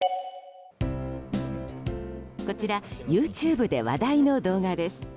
こちらＹｏｕＴｕｂｅで話題の動画です。